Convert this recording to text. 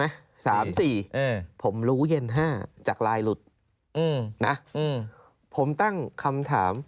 แล้วก็มีแผนที่เขตรักษาพันธุ์สัตว์ป่า